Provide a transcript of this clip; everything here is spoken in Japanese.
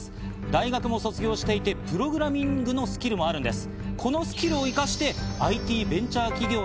大学も卒業していてプログラミングのスキルもあるんです。